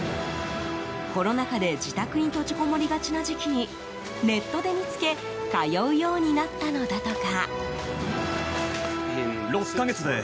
コロナ禍で自宅に閉じこもりがちな時期にネットで見つけ通うようになったのだとか。